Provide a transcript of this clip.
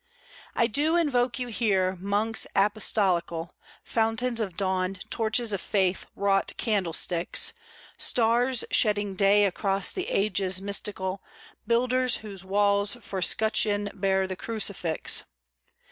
I do invoke you here, Monks Apostolical, Fountains of dawn, torches of faith, wrought candlesticks; Stars shedding day across the ages mystical; Builders whose walls for scutcheon bear the Crucifix.